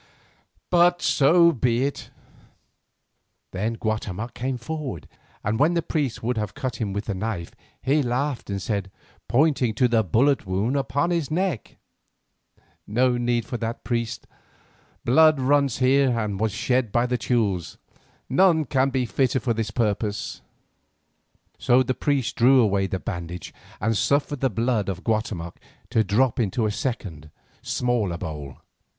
But so be it." Then Guatemoc came forward, and when the priest would have cut him with the knife, he laughed and said, pointing to the bullet wound upon his neck: "No need for that, priest. Blood runs here that was shed by the Teules. None can be fitter for this purpose." So the priest drew away the bandage and suffered the blood of Guatemoc to drop into a second smaller bowl.